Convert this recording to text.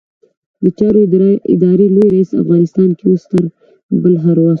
د چارو ادارې لوی رئيس؛ افغانستان کې اوس تر بل هر وخت